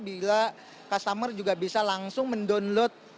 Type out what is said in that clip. bila customer juga bisa langsung mendownload